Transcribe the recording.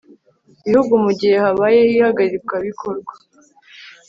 bihugu mu gihe habayeho ihagarikabikorwa